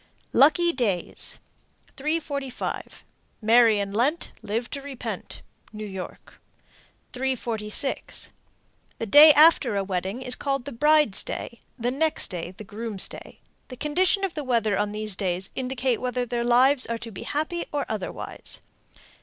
LUCKY DAYS. 345. Marry in Lent, Live to repent. New York. 346. The day after a wedding is called the bride's day, the next day the groom's day; the condition of the weather on these days will indicate whether their lives are to be happy or otherwise.